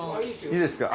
いいですか？